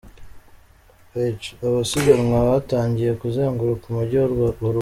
H': Abasiganwa batangiye kuzenguruka umujyi wa Rubavu.